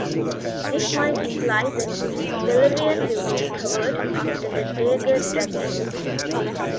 This might imply that Beleriand will be recovered after the Dagor Dagorath.